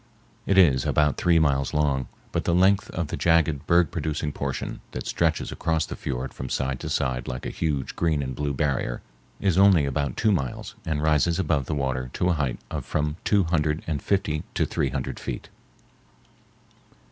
It is about three miles long, but the length of the jagged, berg producing portion that stretches across the fiord from side to side like a huge green and blue barrier is only about two miles and rises above the water to a height of from two hundred and fifty to three hundred feet.